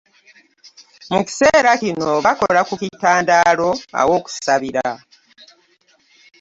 Mu kiseera kino bakola ku kitandaalo awookusabira